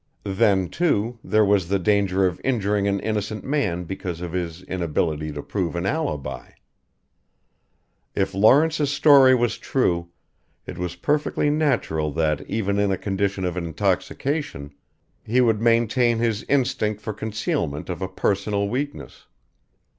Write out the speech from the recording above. Then, too, there was the danger of injuring an innocent man because of his inability to prove an alibi. If Lawrence's story was true, it was perfectly natural that even in a condition of intoxication he would maintain his instinct for concealment of a personal weakness.